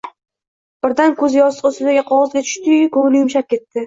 Birdan koʼzi yostiq ustidagi qogʼozga tushdi-yu, koʼngli yumshab ketdi.